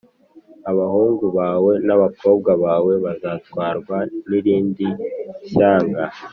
abahungu bawe n’abakobwa bawe bazatwarwa n’irindi shyanga